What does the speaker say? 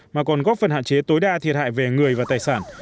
mà còn góp phần hạn chế tối đa thiệt hại về người và tài sản